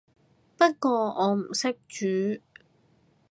不過我唔識煮